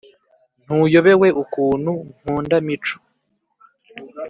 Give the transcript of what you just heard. ntuyobewe ukuntu nkunda mico